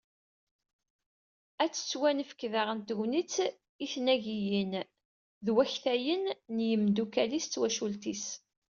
ad tettunefk daɣen tegnit n tnagiyin d waktayen n yimdukkal-is d twcult-is.